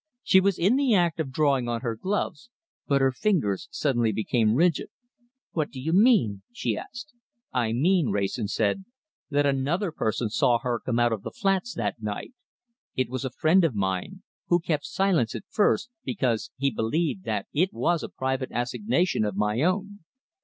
She was in the act of drawing on her gloves, but her fingers suddenly became rigid. "What do you mean?" she asked. "I mean," Wrayson said, "that another person saw her come out of the flats that night. It was a friend of mine, who kept silence at first because he believed that it was a private assignation of my own.